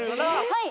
はい。